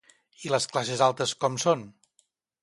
I les classes altes com són?